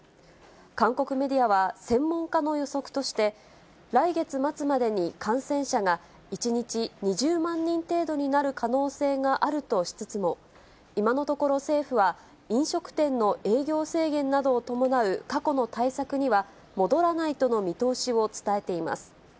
韓国メディアは、専門家の予測として、来月末までに感染者が１日２０万人程度になる可能性があるとしつつも、今のところ、政府は飲食店の営業制限などを伴う過去の対策には戻らないとの見通しを伝えています。